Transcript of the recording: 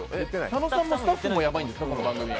佐野さんもスタッフもやばいんですか、この番組。